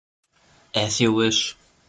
As you wish.